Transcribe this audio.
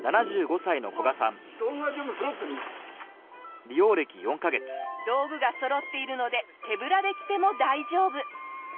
ここは道具がそろっているので手ぶらで来ても大丈夫。